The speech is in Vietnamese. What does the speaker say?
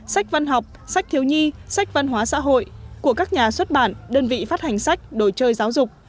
sách văn học sách thiếu nhi sách văn hóa xã hội của các nhà xuất bản đơn vị phát hành sách đồ chơi giáo dục